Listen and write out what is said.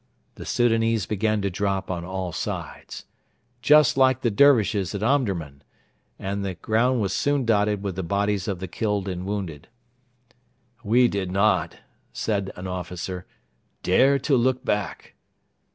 The Soudanese began to drop on all sides, 'just like the Dervishes at Omdurman,' and the ground was soon dotted with the bodies of the killed and wounded. 'We did not,' said an officer, 'dare to look back.'